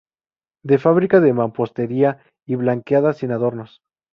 De fábrica de mampostería y blanqueada sin adornos.